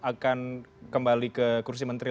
akan kembali ke kursi menteri